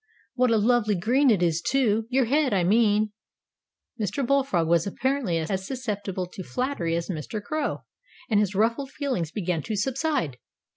What a lovely green it is, too your head, I mean." Mr. Bull Frog was apparently as susceptible to flattery as Mr. Crow, and his ruffled feelings began to subside.